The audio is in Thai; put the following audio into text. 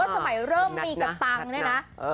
ว่าสมัยเริ่มมีกระตังเนี้ยนะเออ